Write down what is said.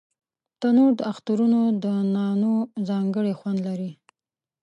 تنور د اخترونو د نانو ځانګړی خوند لري